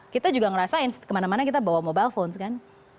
kita juga ngerasain kemana mana kita bawa mobile phone kan